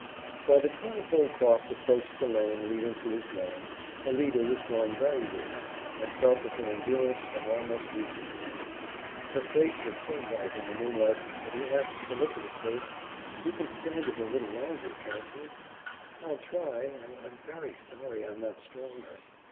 By the time Holcroft approached the lane leading to his dwelling, Alida was growing very weary, and felt that her endurance had almost reached its limit. Her face was so white in the moonlight that he asked solicitously, "You can stand it a little longer, can't you?" "I'll try. I'm very sorry I'm not stronger."